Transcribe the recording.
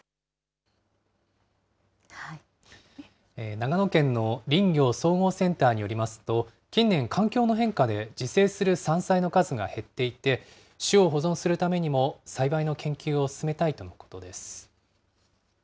長野県の林業総合センターによりますと、近年、環境の変化で、自生する山菜の数が減っていて、種を保存するためにも、栽培の研究を進めたいとのことです。